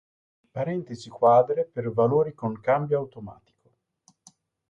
Parentesi quadre per valori con cambio automatico